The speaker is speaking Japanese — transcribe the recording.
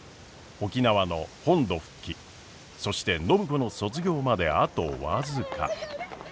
沖縄の本土復帰そして暢子の卒業まであと僅か。